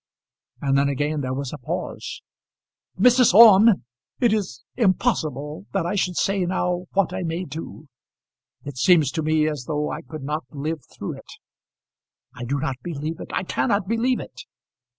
and then again there was a pause. "Mrs. Orme, it is impossible that I should say now what I may do. It seems to me as though I could not live through it. I do not believe it. I cannot believe it."